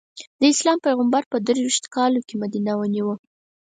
د اسلام پېغمبر په درویشت کالو کې مدینه ونیو.